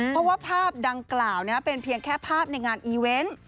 เพราะว่าภาพดังกล่าวเป็นเพียงแค่ภาพในงานอีเวนต์